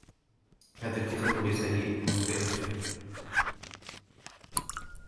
هذا الكتاب ليس لي ، إنه لأخي.